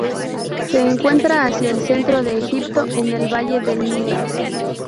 Se encuentra hacia el centro de Egipto, en el valle del Nilo.